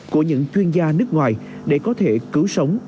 của những chuyên gia nước ngoài để có thể cứu sống